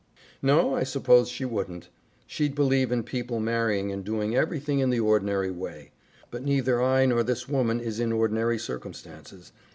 "No, I suppose she wouldn't. She'd believe in people marrying and doing everything in the ordinary way. But neither I nor this woman is in ordinary circumstances.